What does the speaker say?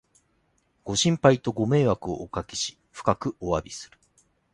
ご心配とご迷惑をおかけし、深くおわびする